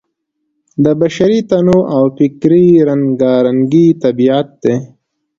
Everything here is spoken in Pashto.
د بشري تنوع او فکري رنګارنګۍ طبیعت دی.